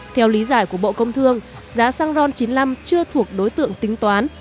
theo lý giải của bộ công thương giá xăng ron chín mươi năm chưa thuộc đối tượng tính toán